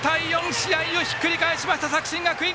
試合をひっくり返しました作新学院！